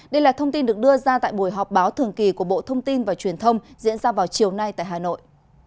đây là thông tin được đưa ra tại buổi họp báo thường kỳ của bộ thông tin và truyền thông diễn ra vào chiều nay tại hà nội